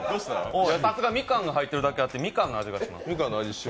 さすがみかんが入ってるだけあって、みかんの味がします。